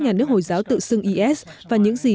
nhà nước hồi giáo tự xưng is và những gì